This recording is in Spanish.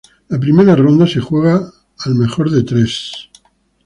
La primera ronda se juega al mejor de tres.